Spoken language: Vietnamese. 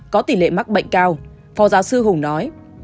có tỷ lệ mắc bệnh cao phó giáo sư hùng nói